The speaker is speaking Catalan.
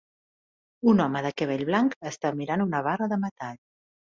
Un home de cabell blanc està mirant una barra de metall